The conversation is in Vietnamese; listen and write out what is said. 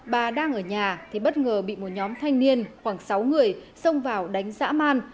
bà đang ở nhà thì bất ngờ bị một nhóm thanh niên khoảng sáu người xông vào đánh giã man